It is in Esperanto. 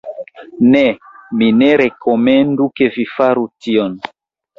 Ne, mi ne rekomendu, ke vi faru tion.